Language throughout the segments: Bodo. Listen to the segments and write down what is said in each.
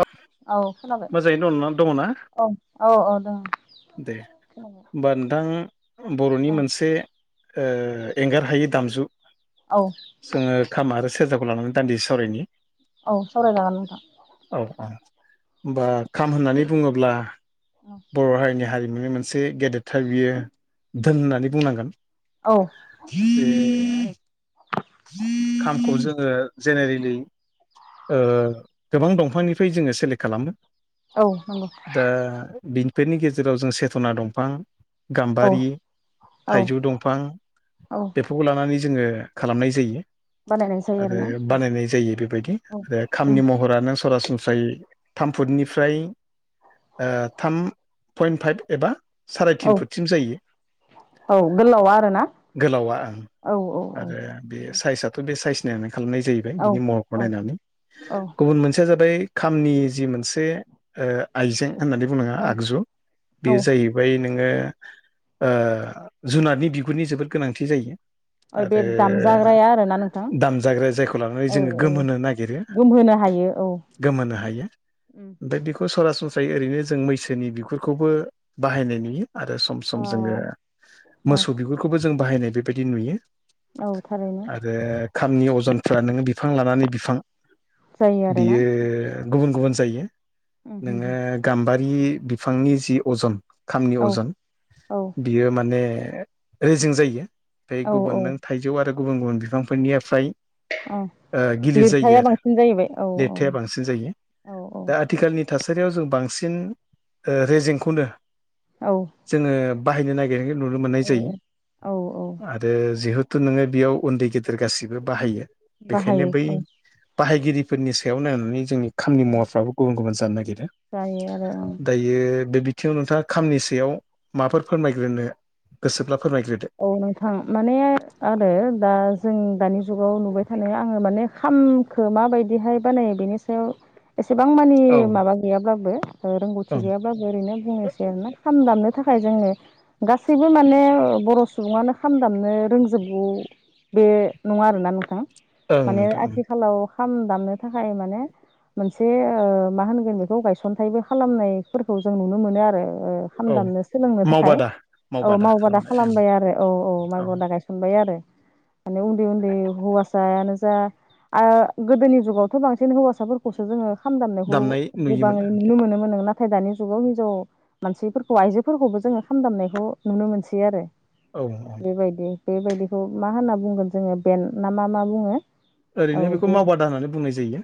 औ औ खोनाबाय मोजाङैनो दङना? औ औ औ दों दे खोनाबाय होमबा नोंथां। बर'नि औ मोनसे एंगार हायै दामजु औ जोङो खाम आरो सेरजाखौ लानानै दान्दि सावरायनि। औ सावरायजागोन नोंथां। औ- औ होनबा खाम होननानै बुङोब्ला बर' हारिनि- हारि मोनसे गेदेरथार बियो धोन होननानै बुंनांगोन। औ बे खामखौ जोङो जेनेरेलि ओ गोबां दंफांनिफ्राय जोङो सेलेक्ट खालामो। औ नंगौ दा बिनिफोरनि गेजेराव जों सेथना दंफां औ गाम्बारि, औ थाइजौ दंफां, औ बेफोरखौ लानानै जोङो खालामनाय जायो। बानायनाय जायो आरो आरोना बानायनाय जायो बेबायदि औ आरो उम खामनि महरानो सरा सनस्रा गाय थाम फुटनिफ्राय थाम पइन्ट फाइभ एबा साराय तिन औ फुटसिम जायो औ गोलावा आरोना गोलावा ओं औ औ औ आरो बे साइजआथ' बे साइसनियानो खालामनाय जाहैबाय औ बिनि महरखौ नायनानै औ गुबुन मोनसेया जाबाय खामनि जि मोनसे आइजें होननानै बुनाङा आगजु ओ बेयो जाहैबाय नोङो जुनारनि बिगुरनि जोबोद गोनांथि जायो। बे आरो दामजाग्राया आरोना नोंथां दामजाग्रााया जायखौ लानानै जोङो गोमोनो नागिरो। बे औ गोमोनो हायो उम ओमफाय बेखौ सरास स्रायै जों ओरैनो जों मैसोनि बिगुरखौबो बाहायनाय नुयो। आरो सम सम ओ जोङो औ मोसौ बिगुरखौबो जों बाहायनाय बेबायदि नुयो। औ थारैनो आरो खामनि अजनफ्रा नोङो बिफां लानानै बिफां जायो आरोना बियो गुबुन गुबुन जायो उम नोङो उम गाम्बारि बिफांनि जि अजन खामनि औ अजन औ बियो माने रेजिं जायो। औ गुबुन औ नों थाइजौ आरो गुबुन गुबुन बिफांफोरनिफ्राय औ गिलिर जायो लिरथाया आरो बांसिन जाहैबाय औ औ लिरथाया बांसिन जायो। औ औ दा आथिखालनि थासारि थासारियाव जों बांसिन रेजेंखौनो औ जोङो बाहायनो नागिरो। नुनो मोननाय जायो औ औ आरो जिहेथु नोङो बेयाव उन्दै गेदेर गासिबो बाहायो बेखायनो बाहायो बै औ बाहायगिरि फोरनि सायाव नायनानै जोंनि खामानि मुवाफ्राबो गुबुन गुबुन जानो नागिरदों जायो आरो ओं दायो बे थिं नोंथाङा खामनि सयाव माफोर फोरमायग्रोनो गोसोब्ला फोरमायग्रोदो? औ नोंथां माने आरो दा जों दानि जुगाव नुबाय थानाय आङो माने खामखो माबायदि बिदिहाय बानायो बेनि सायाव एसेबां मानि औ माबा गैयाब्लाबो रोंगौथि ओं गैयाब्लाबो ओरैनो बुंनोसै आरोना? खाम दामनो थाखाय जोङो गासै गासैबो माने बर' सुबुङानो खाम दामनो रोंजोबगौ बे नङा आरोना नोंथां ओं माने नोंथां ओं आथिखालाव खाम दामनो थाखाय माने मोनसे मा होनगोन बेखौ गायसनथायाइबो खालामनायफोरखौ जों नुनो मोनो आरो हाम औ दामनो सोलोंनो थाखाय मावबादा औ मावबादा खालामनाय ओं खालामबाय आरो औ औ माइबादा गायसनबाय बाय आरो माने उन्दै उन्दै हौवायानो जा आरो गोदोनि जुगावथ' बांसिन हौवासाफोरखौसो जोङो खाम दामनायखौ दामनाय नुयोमोन गोबाङै नुनो मोनोमोन नोंना नाथाय दानि जुगाव हिनजाव मानसिफोरखौ आइजोफोरखौबो जोङो खाम दामनायखौ नुनो मोनसै आरो। औ औ बेबायदि बेबायदिखौ मा होनना बुंगोन जोङो बेन ना मा मा बुङो? औ ओरैनो बेखौ बे मावबादा होननानै बुंनाय जायो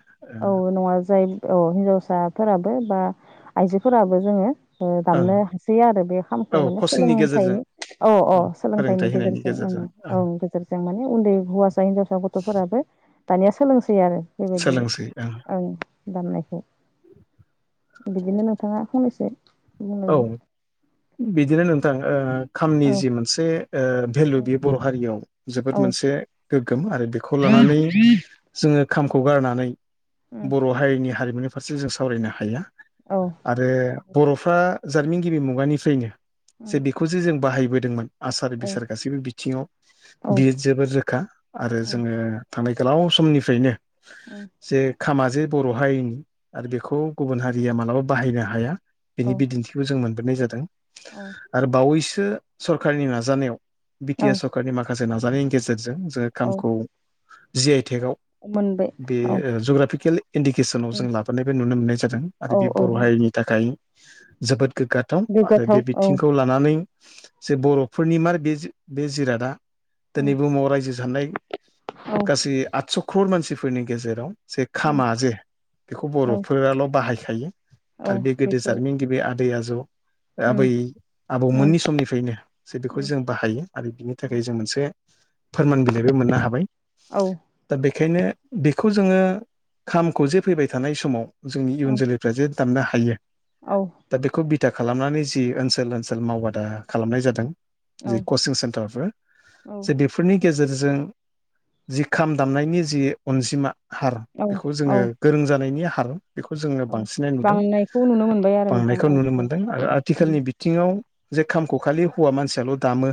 औ नङा जाय औ हिनजावसाफोराबो बा आइजोफोराबो जोङो ओं दामनो हासैयो आरो बे औ खामखौ माने कचिंनि लोंथाइ गेजेरजों औ औ फोरोंथाइ सोलोंथाइनि होनायनि गेजेरजों ओं औ गेजेरजों माने उन्दै हौवासा हजाव साथब गथफोराबो दानिया सोलोंसै आरो बेबायदि सोलोंसै ओं आं दाननायखौ। बिदिनो नोंथाङा फंनैसो औ बुंलांदो बिदिनो नोंथां खामनि औ जि मोनसे भेलु औ बेयो बर' हारियाव जोबोद औ मोनसे गोगोम आरो बेखौ लानानै जोङो खामखौ गारनानै बर' हारिनि हारिमुनि फारसे जों सावरायनो हाया। आरो बर'फ्रा जारिमिन गिबि मुगानिफ्रायनो जे उम बेखौ जे जों बाहायो लुबैदोंमोन आसार औ बेसार गासैबो बिथिंङाव उम औ बियो जोबोद रोखा आरो उम जोंङो थांनाय गोलाव समनिफ्रायनो औ खामाजे बर' हारिनि आरो बेखौ गुबुन हारिया मालाबा बाहायनो हाया। औ बिनि बिदिन्थिखौ जों मोनबोनाय जादों औ आरो बावैसो सरखारनि नाजानायाव बि टि औ आर सरखारनि माखासे नाजानायनि गेजेरजों जोंङो औ खामखौ जे थेगाव। मोनबाय बे औ जुग्राफिकेल इन्डिकेसनाव जों उम लाबोनायबो नुनो मोननाय जादों आरो औ बे औ बर' हारिनि थाखाय जोबोद गोग्गाथाव आरो बे गोग्गाथाव औ बिथिंखौ लानानै जे बर'फोरनिमार बे जि बे जिरादा। दिनै उम बुहुमाव रायजो जानाय औ गासै आदस' क्रर मानसिफोरनि गेजेराव जे उम खामा जे बेखौ औ बर'फोराल' बाहायखायो औ। बेखौ जारिमिन गिबि आदैया उम आबै उम आबौमोननि समनिफ्रायनो जे बेखौ उम जों बाहायो आरो बिनि उम थाखाय जों मोनसे फोरमान बिलाइबो मोननो हाबाय। औ। दा बेखायनो बेखौ जोंङो खामखौ जे फैबाय थानाय समाव जोंनि इयुन उम जोलैफ्रा जे दामनो हायो औ दा बेखौ बिथा खालामनानै जि ओनसोल ओनसोल मावबादा खालामनाय जादों उम औ जे कचिं सेन्टारफोर औ जे बेफोरनि गेजेरजों जि खाम दामनायनि जि अनजिमा हार बेखौ औ जोंङो औ गोरों जानायनि हार बेखौ जोंङो औ बांसिनै नुदों। बांनायखौ नुनो मोनबाय आरो नोंथां बांनायखौ औ नुनो औ मोनदों आरो उम आथिखालनि बिथिंङाव जे खामखौ खालि हौवा मानसियाल' दामो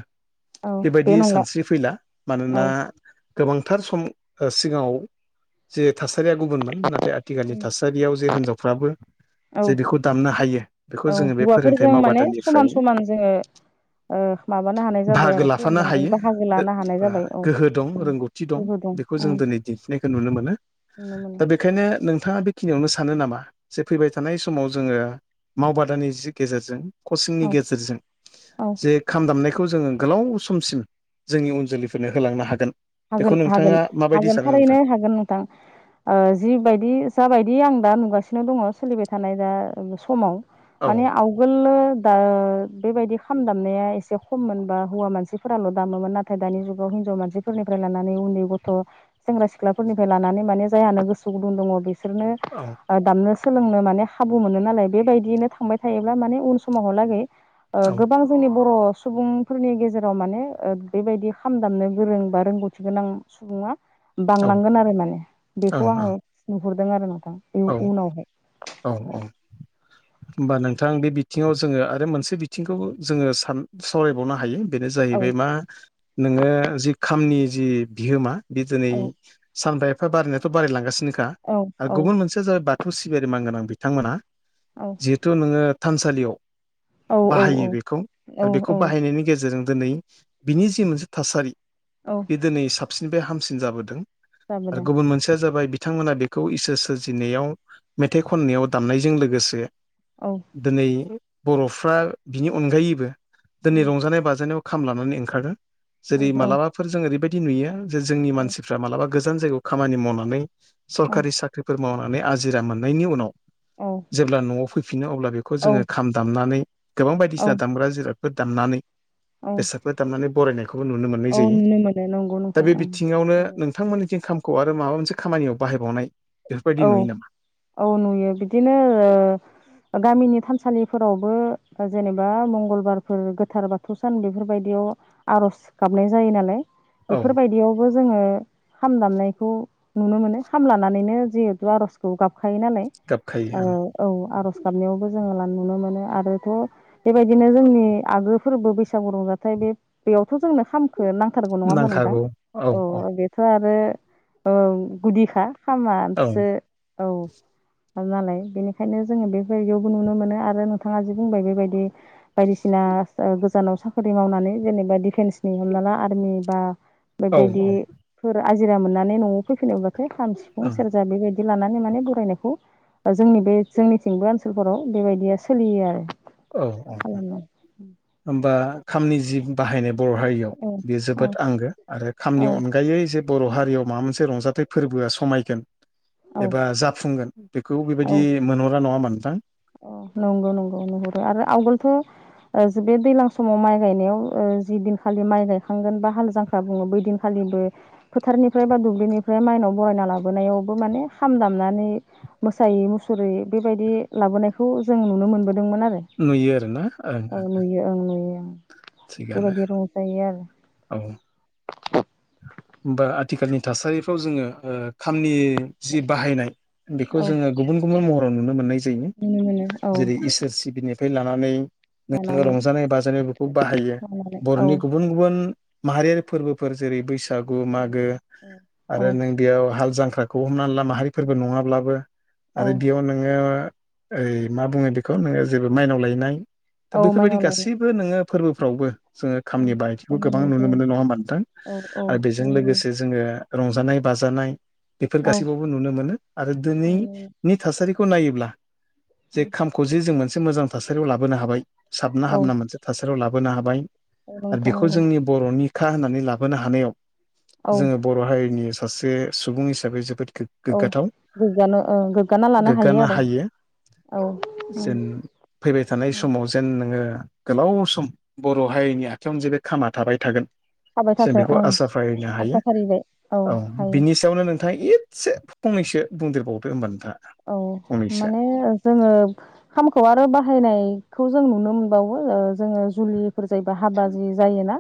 औ बेबायदि बे नंला सानस्रि फैला औ मानोना गोबांथार सम ओं सिगांङाव जे थासारिया गुबुनमोन नाथाय आथिखालनि उम थासारियाव जे हिनजावफ्राबो औ जे बेखौ दामनो हायो। बेखौ औ जोंङो बे फोरोंथाइ हौवाफोरजों माने समान मावबादानिफ्राय समान जोङो ओ माबानो हानाय जाबाय बाहागो आरो लाफानो खालामनो हानाय हायो बाहागो लानो हानाय बा जाबाय औ गोहो दं उम रोंगौथि दं। गोहो बेखौ उम जों दिनै दिन्थिनायखौ नुनो मोनो नुनो मोनो दा बेखायनो नोंथांङा बे खिनियावनो सानो नामा जे फैबाय थानाय समाव जोंङो मावबादानि जि गेजेरजों कचिंनि औ गेजेरजों औ जे खाम दामनाय खौ जोंङो गोलाव समसिम जोंनि उन जोलैफोरनो होलांनो हागोन? बेखौ हागोन हागोन नोंथाङा माबायदि हागोन सानो नोंथां थारैनो हागोन नोंथां। ओं जिबायदि जाबायदि आं दा नुगासिनो नो दं सोलिबाय थानाय दा समाव औ माने आवगोल दा बेबायदि खाम दामनाया एसे खममोनबा हौवा मानसिफोराल' दामोमोन नाथाय दानि जुगाव हिनजाव मानसि फोरनिफ्राय लानानै उन्दै गथ' सेंग्रा सिख्लाफोरनिफ्राय लानानै माने जायहानो गोसो गुदुं दंङ बे बिसोरनो औ ओं दामनो सोलोंनो माने खाबु मोनो नालाय बेबायदियैनो थांबाय थायोब्ला माने उन समावहालागै ओं औ गोबां जोंनि बर' सुबुंफोरनि गेजेराव माने ओं बेबायदि खाम दामनो गोरों बा रोंगौथि गोनां सुबुंङा औ बांलांगोन आरो माने ओं बेखौ ओं आंङो नुहुरदों आरो ना। औ औ औ होमबा नोंथां बे बिथिंङाव जोंङो आरो मोनसे बिथिंखौ जोंङो सान सावरायबावनो हायो। बेनो औ जाहैबाय मा नोंङो जि खामनि जि बिहोमा बि दिनै औ सानफा एफा बारायनायाथ' बारायलांगासिनोखा औ आरो गुबुन मोनसे बाथौ सिबियारि मानगोनां बिथांमोना औ जिहेथु नोंङो थानसालियाव औ औ बाहायो बेखौ आरो बेखौ औ औ बाहायनायनि गेजेरजों दिनै बिनि जि मोनसे थासारि औ बे दिनै साबसिननिफ्राय हामसिन जाबोदों। आरो जाबोदों गुबुन मोनसेया जाबाय बिथांमोना बेखौ इसोर सिबिनायाव मेथाइ खननायाव दामनायजों लोगोसे औ दिनै बर'फ्रा बिनि अनगायैबो दिनै उम रंजानाय बाजानायाव खाम लानानै ओंखारदों। उम जेरै औ मालाबाफोर जों ओरैबायदि नुयो जे जोंनि औ मानसिफ्रा मालाबा गोजान जायगायाव खामानि मावनानै औ सरखारि साख्रिफोर मावनानै आजिरा मोननायनि उनाव औ जेब्ला न'आव फैफिनो अब्ला बेखौ औ जोङो खाम दामनानै गोबां औ बायदिसिना दामग्रा जिराद फोर दामनानै औ बेसादफोर दामनानै बरायनायखौबो नुनो औ मोननाय जायो। नुनो मोनो नंगौ दा नोंथां बे ओं बिथिङावनो नंगौ नोंथांमोननि थिं खामखौ आरो माबा मोनसे खामानियाव बाहायबावनाय। बेफोरबायदि औ नुयो नामा? औ नुयो बिदिनो गामिनि। थानसालिफोरावबो जेनेबा मंगलबारफोर गोथार बाथौ सान बेफोरबायदियाव आरज। ज गाबनाय जायो नालाय। औ बेफोरबायदियावबो जोंङो खाम दामनायखौ नुनो मोनो खाम लानानैनो। जिहेथु आरजखौ गाबखायो नालाय औ गाबखायो ओं आरज। आरज गाबनायावबो जोंङो नुनो मोनो आरोथ बेबायदिनो जोंनि आगु फोरबो बैसागु रंजाथाइ। बे बेयावथ जोंनो खामखौ नांथारगौ नङा होमबा नोंथां औ बेथ आरो। गुदिखा खामा। औ। औ। नालाय बेनिखायनो जोंङो बेबायदियावबो नुनो मोनो आरो नोंथाङा जि बुंबाय बेबायदि बायदिसिना। गोजानाव साख्रि मावनानै जेनेबा डिफेन्सनि हमना ला आर्मि बा। औ बेबायदिफोर आजिरा मोननानै नआव फैफिनोब्लाथाय खाम सिफुं। ओं सेरजा बेबायदि लानानै माने बरायनायखौ। जोंनि बे जोंनिथिंबो ओनसोलफोराव बेबायदिया सोलियो आरो। औ औ खालामो होमबा खामनि जि बाहायनाय। बर हारियाव औ बेयो जोबोद आंगो आरो खामनि औ अनगायै जे। बर हारियाव माबा मोनसे रंजाथाइ फोरबोआ समायगोन। औ एबा जाफुंगोन बेखौ बेबायदि मोनहरा नङा होनबा नोंथां। अ नंगौ नंगौ नुहुरो आरो आवगोलथ। बे दैज्लां समाव माइ गायनायाव जि दिनखालि माइ गायखांगोन बा हाल जां। बुङो बै दिनखालिबो फोथारनिफ्राय बा दुब्लिनिफ्राय माइनाव बरायना लाबोनायावबो माने खाम। नानै मोसायै मुसुरै बेबायदि लाबोनायखौ जों नुनो मोनबोदों। मोन आरो नुयो आरोना ओं औ ओं नुयो ओं नुयो। थिगानो बेबायदि रंजायो आरो। औ आथिखालनि थासारिफ्राव जोंङो खामनि। जि बाहायनाय बेखौ आरो औ जोंङो गुबुन गुबुन महराव नुनो मोननाय जायो। नुनो मोनो औ जायो जेरै इसोर सिबिनिफ्राय लानानै। नोंङो लानानै रंजानाय बाजानाय बेखौ बाहायो लानानै औ बरनि गुबुन गुबुन। माहारियारि फोरबोफोर जेरै बैसागु मागो औ आरो नों बेयाव हालजांख्रा। खौ हमनानै ला माहारिफोरबो नङाब्लाबो औ आरो बेयाव नोंङो। ओइ मा बुङो बेखौ नोंङो जेबो माइनाव लायनाय दा औ बेफोरबायदि माइनाव लायनाय गासैबो नोंङो। फोरबोफ्रावबो जोंङो औ खामनि बायथिखौ गोबां बानायनाय नुनो जायो मोनो नङा मोनदों। औ औ आरो बेजों लोगोसे जोंङो रंजानाय बाजानाय। बेफोर औ गासैबावबो नुनो मोनो आरो दिनैनि थासारिखौ नायोब्ला। जे खामखौ जे जों मोनसे मोजां थासारियाव लाबोनो हाबाय साबना औ हामना मोनसे थासारियाव लाबोनो हाबाय। औ आरो नोंथां बेखौ नंगौ जोंनि बरनिखा होननानै लाबोनो हानायाव औ जोंङो बर हारिनि। सासे सुबुं हिसाबै जोबोद। औ गोग्गाथाव गोग्गानो ओ गोग्गाना लानो गोग्गानो आरो हायो। औ उम जेन फैबाय थानाय उम समाव जेन नोंङो। गोलाव सम बर' हारिनि आखायावनो जे बे खामा थाबाय थागोन। थाबाय थाथों ओं। बुंनो आसा हायो फारिबाय औ हायो बिनि सायावनो नोंथांआ ईथसे फंनैसो बुंदेरबावदो होनबानो औ माने जोंङो खामखौ आरो बाहायनाय खौ जों नुनो मोनबावो ओ जोंङो जुलि जायबा हाबा जायोना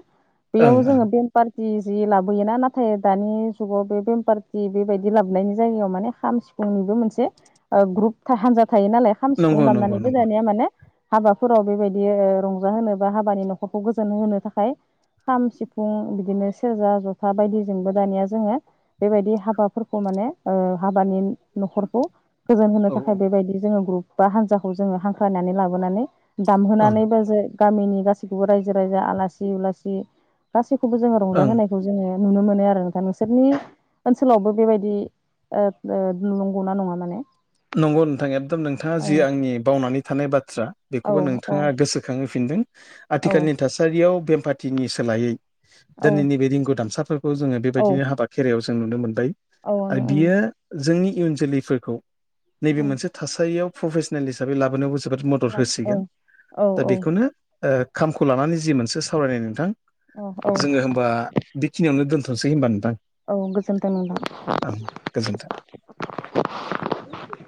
ओं बेयाव ओं जोंङो बेमपार जि जि लाबोयोना नाथाय दानि जुगाव बे बेमपारटि बेबायदि लाबोनायनि जायगायाव माने खाम सिफुं सिफुंनिबो मोनसे ओ ग्रुपथा हान्जा थायो नालाय खाम सिफुं नंगौ नंगौ दामनानैबो नंगौ दानिया माने हाबाफोराव बेबायदि रंजाहोनो बा हाबानि न'खरखौ गोजोन होनो थाखाय खाम सिफुं बिदिनो सेरजा ज'था बायदिजोंबो दानिया जोङो बेबायदि हाबाफोरखौ माने ओ हाबानि न'खरखौ गोजोन होनो औ थाखाय बेबायदि जोङो ग्रुप बा हान्जाखौ जोङो हांख्रायनानै लाबोनानै ओं दामहोनानैबो जो गामिनि गासैखौबो रायजो- राजा आलासि उलासि गासैखौबो जोङो ओं रंजाहोनायखौ जोङो नुनो मोनो आरो नोंथां नोंसोरनि ओनसोलावबो बेबायदि ओद ओद नंगौ ना नङा माने नंगौ नोंथां एखदम नोंथाङा औ जि आंनि बावनानै थानाय बाथ्रा औ बेखौबो औ नोंथाङा गोसोखां होफिनदों औ आथिखालनि थासारियाव बे पार्टिनि सोलायै औ दोनैनि बे रिंगु दामसाफोरखौ जोङो बेबायदिनो हाबा खेरयाव जों नुनो मोनबाय। औ ओं आरो ओं बियो जोंनि इयुन जोलैफोरखौ नैबे औ मोनसे थासारियाव प्रफेसनेल हिसाबै लाबोनायावबो जोबोद मदद होसिगोन औ दा बेखौनो ओ खामखौ लानानै जि मोनसे सावरायनाय नोंथां औ औ जोङो होमबा बेखिनियावनो दोनथ' सेै होनबा नोंथां। औ गोजोनथों ओं गोजोन्थों। नोंथां।